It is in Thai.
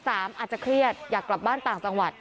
อาจจะเครียดอยากกลับบ้านต่างจังหวัด